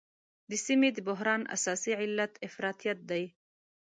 د سیمې د بحران اساسي علت افراطیت دی.